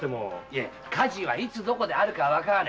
火事はいつ・どこであるかわからねえ。